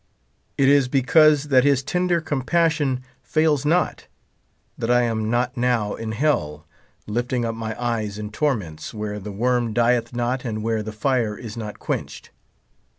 It is because that his tender compassion fails not, that I am not now in hell lifting up my eyes in tor ments, where the worm dieth not and where the fire is not quenched.